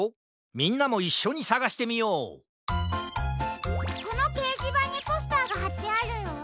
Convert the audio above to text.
みんなもいっしょにさがしてみようこのけいじばんにポスターがはってあるよ。